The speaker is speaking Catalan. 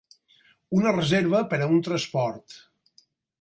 Una reserva per a un transport.